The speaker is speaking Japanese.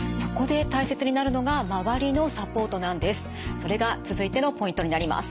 それが続いてのポイントになります。